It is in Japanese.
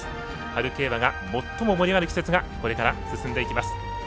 春競馬が最も盛り上がる季節がこれから進んでいきます。